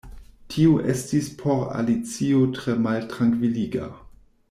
Tio estis por Alicio tre maltrankviliga.